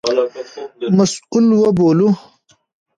مسوول وبولو.